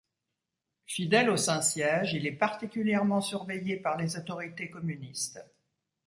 Fidèle au Saint-Siège, il est particulièrement surveillé par les autorités communistes.